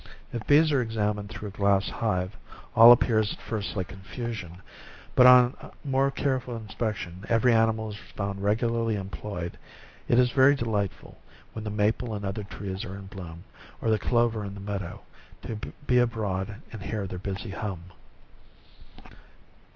If bees are examined through a glass hive, all appears at first like confusion ; but on a more careful inspection, every animal is found regularly em ployed. It is very delightful, when the maple and other trees are in bloom, or the clover in the meadows, to be abroad and hear their busy hum.